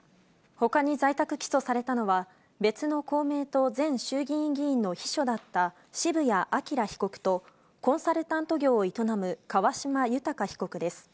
ほかに在宅起訴されたのは、別の公明党前衆議院議員の秘書だった渋谷朗被告と、コンサルタント業を営む川島裕被告です。